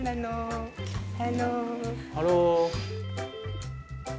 ハロー！